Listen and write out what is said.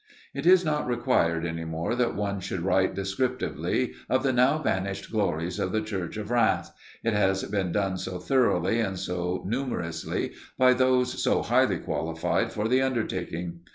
It is not required any more that one should write descriptively of the now vanished glories of the church of Rheims, it has been done so thoroughly and so numerously by those so highly qualified for the undertaking.